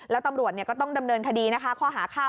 และตำรวจต้องดำเนินคดีข้อหาคาพผู้อื่น